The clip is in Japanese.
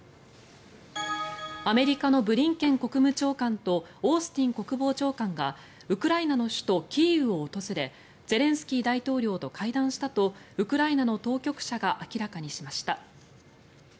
アメリカのブリンケン国務長官とオースティン国防長官がウクライナの首都キーウを訪れゼレンスキー大統領と会談したとウクライナの当局者が明らかにしました。